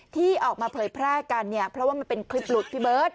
ที่ออกมาเผยแพร่กันเนี่ยเพราะว่ามันเป็นคลิปหลุดพี่เบิร์ต